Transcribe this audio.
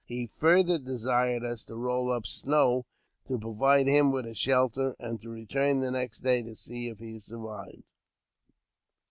He farther desired us to roll up snow to provide him with a shelter, and to return the next day to see if he survived.